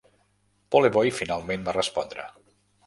Polevoy finalment va respondre.